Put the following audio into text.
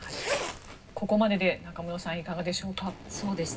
ここまでで中室さんいかがでしょうか。